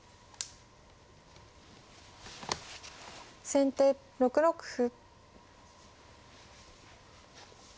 先手６六歩。